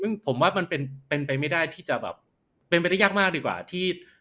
ซึ่งผมว่ามันเป็นไปไม่ได้ที่จะแบบเป็นไปได้ยากมากดีกว่าที่